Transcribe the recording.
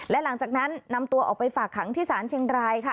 และหลังจากนั้นนำตัวออกไปฝากขังที่ศาลเชียงรายค่ะ